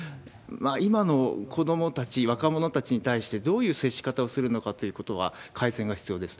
今の子どもたち、若者たちに対して、どういう接し方をするのかというのは、改正が必要です。